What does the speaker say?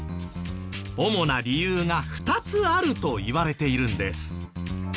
主な理由が２つあるといわれているんです。